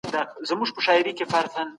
د ارغنداب سیند خړوبوونکی ارزښت لري.